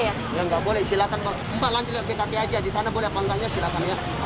tidak boleh silakan lalu melintas dengan bkt saja